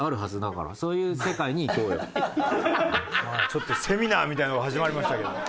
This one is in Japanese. ちょっとセミナーみたいなのが始まりましたけども。